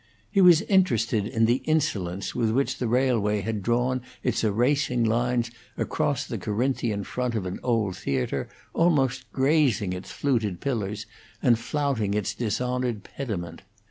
He was interested in the insolence with which the railway had drawn its erasing line across the Corinthian front of an old theatre, almost grazing its fluted pillars, and flouting its dishonored pediment.